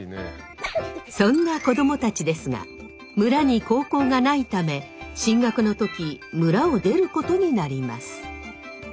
そんな子供たちですが村に高校がないため進学の時村を出ることになります。